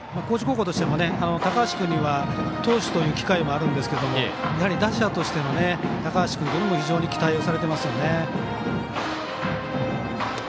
高知高校としても高橋君には投手という機会があるんですがやはり打者としての高橋君というのも非常に期待されていますよね。